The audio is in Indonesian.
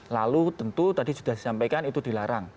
lalu tentu tadi sudah disampaikan itu dilarang